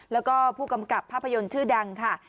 แล้วก็ผู้กำกับภาพยนตร์ชื่อดังค่ะ